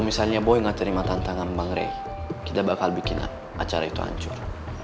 misalnya boy nggak terima tantangan bang rey kita bakal bikin acara itu hancur